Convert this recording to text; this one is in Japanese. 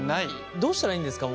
どうしたらいいんですか？